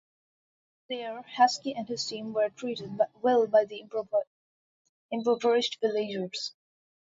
There, Haski and his team were treated well by the impoverished villagers.